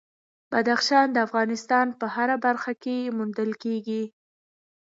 بدخشان د افغانستان په هره برخه کې موندل کېږي.